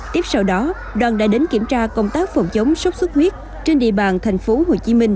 tiếp sau đó đoàn đã đến kiểm tra công tác phòng chống sốt xuất huyết trên địa bàn tp hcm